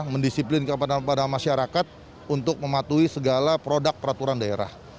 mendisiplin kepada masyarakat untuk mematuhi segala produk peraturan daerah